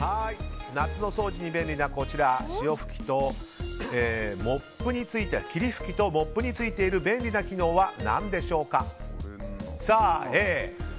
夏の掃除に便利なこちら、霧吹きとモップについている便利な機能は何でしょうか。